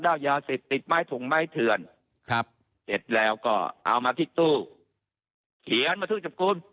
ด้าวยาศิษย์ติดไม้ถุงไม้เถือนครับเด็ดแล้วก็เอามาที่ตู้เขียนมาทุกจับคุม